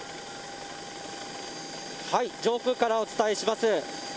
上空からお伝えします。